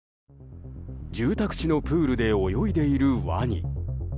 住宅地のプールで泳いでいるワニ。